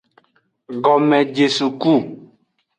Gomejesuku.